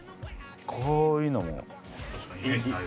こういうのも。